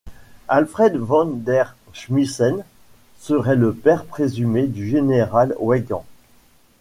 Alfred van der Smissen serait le père présumé du général Weygand.